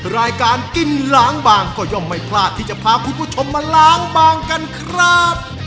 รายการกินล้างบางก็ย่อมไม่พลาดที่จะพาคุณผู้ชมมาล้างบางกันครับ